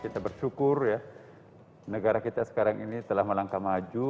kita bersyukur ya negara kita sekarang ini telah melangkah maju